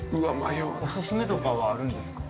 おすすめとかはあるんですか？